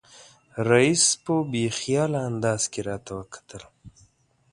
رییس په بې خیاله انداز کې راته وکتل.